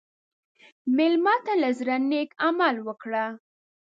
مېلمه ته له زړه نیک عمل وکړه.